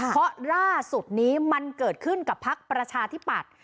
เพราะล่าสุดนี้มันเกิดขึ้นกับพักประชาธิปัตย์